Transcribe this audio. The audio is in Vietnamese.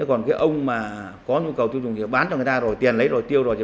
còn cái ông mà có nhu cầu tiêu dùng thì bán cho người ta rồi tiền lấy rồi tiêu rồi